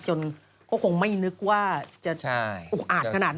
จนก็คงไม่นึกว่าจะอุกอาจขนาดนี้